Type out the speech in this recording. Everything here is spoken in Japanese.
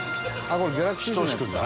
これギャラクシー賞のやつだ。